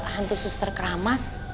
hantu suster keramas